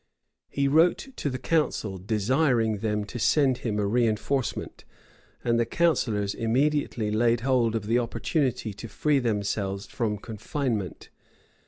He wrote to the council, desiring them to send him a reënforcement; and the counsellors immediately laid hold of the opportunity to free themselves from confinement.